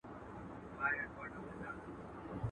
کله زموږ کله د بل سي کله ساد سي کله غل سي.